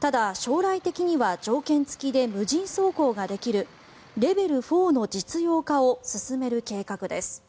ただ、将来的には条件付きで無人走行ができるレベル４の実用化を進める計画です。